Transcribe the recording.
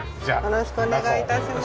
よろしくお願いします。